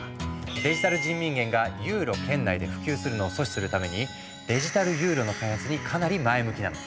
デジタル人民元がユーロ圏内で普及するのを阻止するためにデジタルユーロの開発にかなり前向きなの。